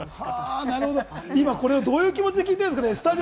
なるほど、今これをどういう気持ちで聞いてるんですかね。